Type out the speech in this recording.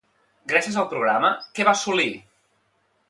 Gràcies al programa, què va assolir?